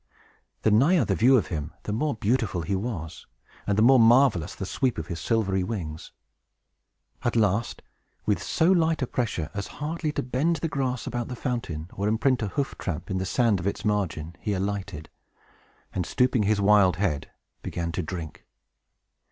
The nigher the view of him, the more beautiful he was, and the more marvelous the sweep of his silvery wings. At last, with so light a pressure as hardly to bend the grass about the fountain, or imprint a hoof tramp in the sand of its margin, he alighted, and, stooping his wild head, began to drink.